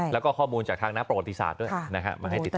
แล้วก็ข้อมูลจากทางหน้าประวัติศาสตร์ด้วยมาให้ติดตาม